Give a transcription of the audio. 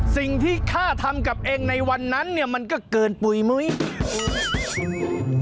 สิ่งที่ข้าทำกับเองในวันนั้นมันก็เกินบุรรณ์